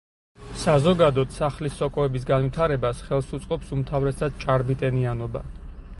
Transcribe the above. საზოგადოდ სახლის სოკოების განვითარებას ხელს უწყობს უმთავრესად ჭარბი ტენიანობა.